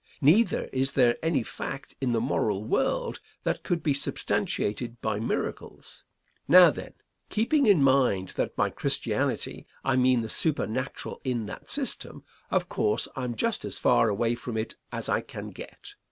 Neither is there any fact in the moral world that could be substantiated by miracles. Now, then, keeping in mind that by Christianity I mean the supernatural in that system, of course I am just as far away from it as I can get.